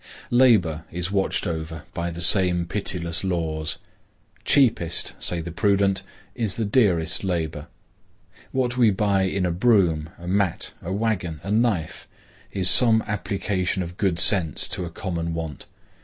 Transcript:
Labor is watched over by the same pitiless laws. Cheapest, say the prudent, is the dearest labor. What we buy in a broom, a mat, a wagon, a knife, is some application of good sense to a common want.